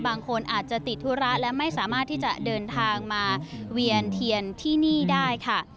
บางคนอาจจะติดธุระและไม่สามารถที่จะเดินทางมาเวียนเทียนที่นี่ได้ค่ะ